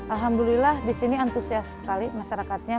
alhamdulillah disini antusias sekali masyarakatnya